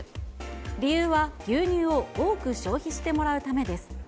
理由は牛乳を多く消費してもらうためです。